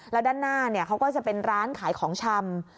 แล้วด้านหน้าเขาก็จะเป็นร้านขายของชำ